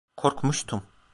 Korkmuştum.